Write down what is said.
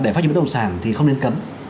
để phát triển bất động sản thì không nên cấm